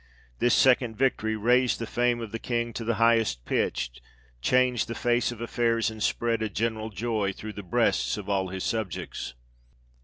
This second victory raised the fame of the King to the highest pitch, changed the face of affairs, and spread a general joy through the breasts of all his subjects.